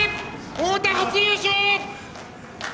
太田、初優勝！